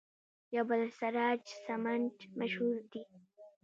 جبل السراج سمنټ مشهور دي؟